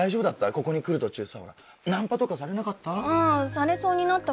ここに来る途中さナンパとかされなかった？